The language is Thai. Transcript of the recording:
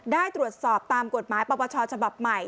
ได้ตรวจสอบตามกฎหมายปรับประชาชนฉบับใหม่